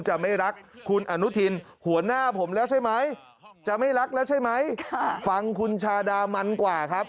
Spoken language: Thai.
จะไม่รักคุณอนุทินหัวหน้าผมแล้วใช่ไหมจะไม่รักแล้วใช่ไหมฟังคุณชาดามันกว่าครับ